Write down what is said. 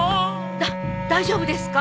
だっ大丈夫ですか？